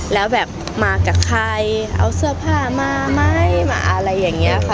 แล้วแบบมากับใครเอาเสื้อผ้ามาไหมมาอะไรอย่างนี้ค่ะ